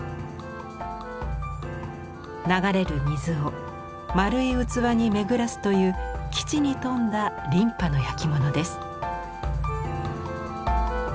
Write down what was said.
流れる水を丸い器に巡らすという機知に富んだ琳派のやきものです。